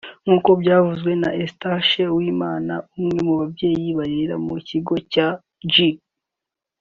nk’uko byavuzwe na Eustache Uwimana umwe mu babyeyi barerera mu kigo cya G